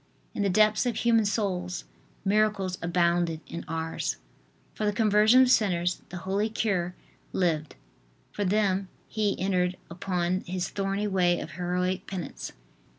In the depths of human souls miracles abounded in Ars. For the conversion of sinners the holy cure lived; for them he entered upon his thorny way of heroic penance.